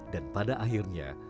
dan pada akhirnya